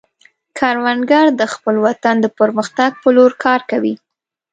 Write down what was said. کروندګر د خپل وطن د پرمختګ په لور کار کوي